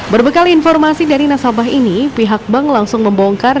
berbekal informasi dari nasabah ini pihak bank langsung membongkar